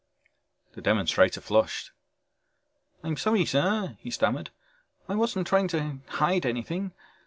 The demonstrator flushed. "I'm sorry, sir," he stammered. "I wasn't trying to hide anything.